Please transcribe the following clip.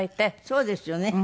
そうですよね。